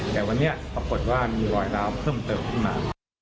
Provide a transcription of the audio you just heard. แต่วันนี้ปรากฏว่ามีรอยล้าวเพิ่มเติมขึ้นมา